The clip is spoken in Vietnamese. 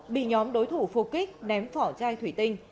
bị nhóm đối thủ phục kích ném vỏ chai thủy tinh